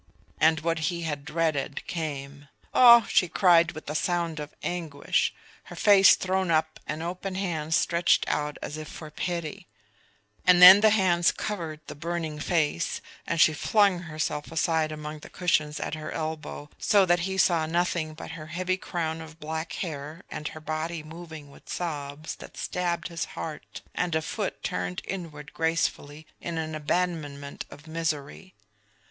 And what he had dreaded came. "Oh!" she cried with a sound of anguish, her face thrown up and open hands stretched out as if for pity; and then the hands covered the burning face, and she flung herself aside among the cushions at her elbow, so that he saw nothing but her heavy crown of black hair and her body moving with sobs that stabbed his heart, and a foot turned inward gracefully in an abandonment of misery.